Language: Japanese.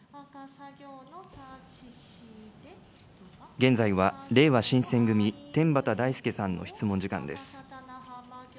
現在は、れいわ新選組、天畠大輔さんの質問時間です。